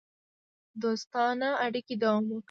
دوستانه اړیکې دوام وکړي.